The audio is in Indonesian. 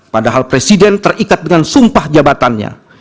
padahal presiden terikat dengan sumpah jabatannya